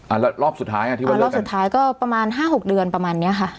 แล้วรอบสุดท้ายอ่ะที่วันนี้รอบสุดท้ายก็ประมาณห้าหกเดือนประมาณเนี้ยค่ะ